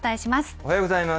おはようございます。